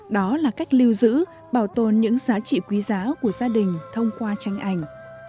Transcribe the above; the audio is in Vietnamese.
đó là cách lưu giữ bảo tồn những giá trị quý giá của gia đình thông qua tranh ảnh